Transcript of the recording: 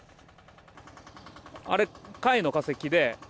あれ、貝の化石で。